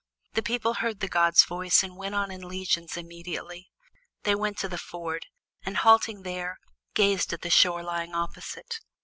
The people heard the god's voice and went on in legions immediately. They went to the ford, and, halting there, gazed at the shore lying opposite.